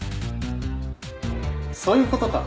そういうことか。